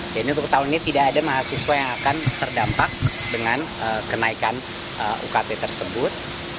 dan untuk tahun ini tidak ada mahasiswa yang akan terdampak dengan kenaikan ukt tersebut